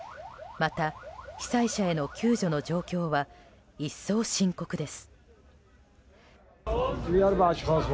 また、被災者への救助の状況は一層深刻です。